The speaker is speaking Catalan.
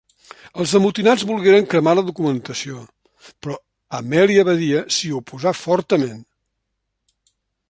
Els amotinats volgueren cremar la documentació però Amèlia Badia s’hi oposà fortament.